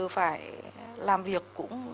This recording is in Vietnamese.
phải làm việc cũng